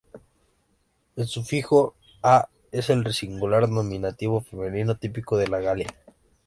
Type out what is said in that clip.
El sufijo "-a" es el singular nominativo femenino típico de la Galia.